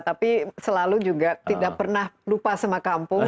tapi selalu juga tidak pernah lupa sama kampung